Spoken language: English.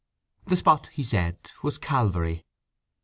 The spot, he said, was Calvary.